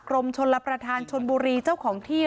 กรมชลประธานชนบุรีเจ้าของที่